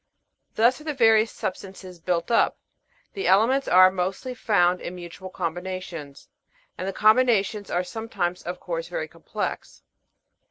Thus are the various substances built up; the elements are mostly found in mutual combinations, and the combinations are sometimes of course, very complex.